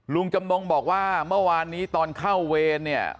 ลุงจำนงบอกว่าเมื่อวานนี้ตอนเข้าเวรเนี่ย